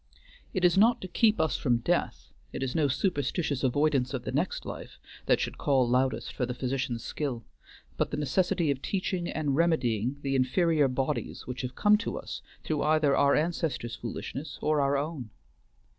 It is not to keep us from death, it is no superstitious avoidance of the next life, that should call loudest for the physician's skill; but the necessity of teaching and remedying the inferior bodies which have come to us through either our ancestors' foolishness or our own.